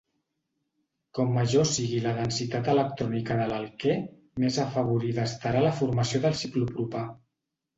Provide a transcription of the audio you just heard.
Com major sigui la densitat electrònica de l'alquè més afavorida estarà la formació del ciclopropà.